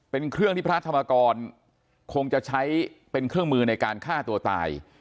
เป็นเครื่องที่พระธรรมกรคงจะใช้เป็นเครื่องมือในการฆ่าตัวตาย